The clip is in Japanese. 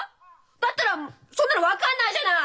だったらそんなの分かんないじゃない！